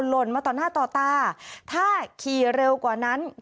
ล่นมาต่อหน้าต่อตาถ้าขี่เร็วกว่านั้น